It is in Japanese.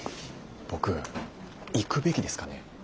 僕行くべきですかね？